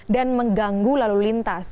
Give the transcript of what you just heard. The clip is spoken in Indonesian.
dan mengganggu lalu lintas